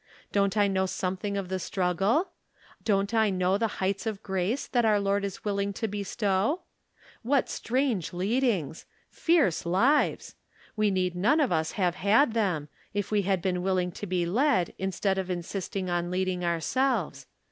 Don't I know something of the struggle ? Don't I know the heights of grace that our Lord is willing to bestow ? What strange leadings ! Fierce lives ! We need none of us have had them, if we had been willing to be led, instead of insisting on leading ourselves.